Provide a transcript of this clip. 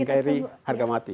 nkri harga mati